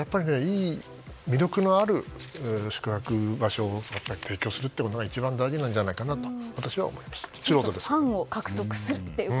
魅力のある宿泊場所を提供することが一番大事なんじゃないかと素人ですが私は思います。